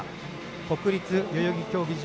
国立代々木競技場。